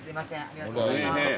ありがとうございます。